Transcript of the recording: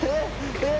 え？